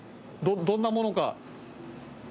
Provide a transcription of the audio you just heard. どんなものが。